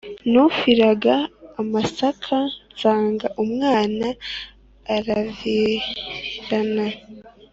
nufiraga amasaka nsanga umwana aravirirana